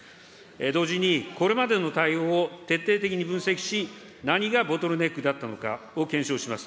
同時に、これまでの対応を徹底的に分析し、何がボトルネックだったのかを検証します。